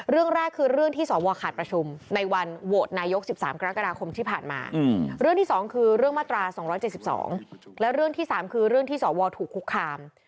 เรื่องแรกคือเรื่องที่สวขาดประชุมในวันโหวตนายก๑๓กรกฎาคมที่ผ่านมาเรื่องที่๒คือเรื่องมาตรา๒๗๒และเรื่องที่๓คือเรื่องที่สวถูกคุกคาม